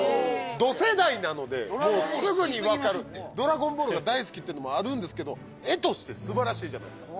ど世代なのでもうすぐにわかる「ドラゴンボール」が大好きっていうのもあるんですけど絵としてすばらしいじゃないですか